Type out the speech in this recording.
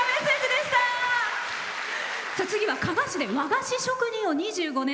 次は加賀市で和菓子職人を２５年。